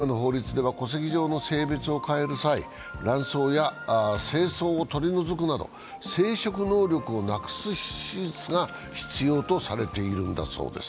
今の法律では戸籍上の性別を変える際、卵巣や精巣を取り除くなど生殖能力をなくす手術が必要とされているんだそうです。